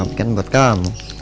mama bikin buat kamu